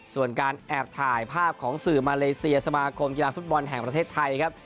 ส่วนการแอบถ่ายภาพของสื่อมาเลเซียสมาคมกีฬาฟุตบอลแห่งประเทศไทยครับ